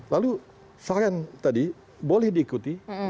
lalu varian tadi boleh diikuti